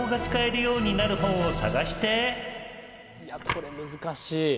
これ難しい。